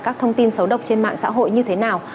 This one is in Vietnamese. các thông tin xấu độc trên mạng xã hội như thế nào